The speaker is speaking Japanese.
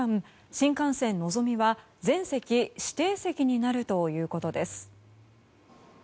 新幹線「のぞみ」は全席指定席になるということです。